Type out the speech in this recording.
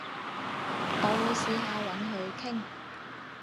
我會試下搵佢傾